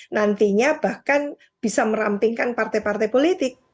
nantinya bahkan bisa merampingkan partai partai politik